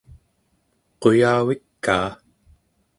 quyavikaa